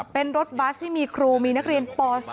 เป็นรถบัสที่มีครูมีนักเรียนป๒